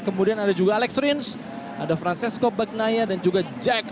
kemudian ada juga alex rins ada fracesco bagnaya dan juga jack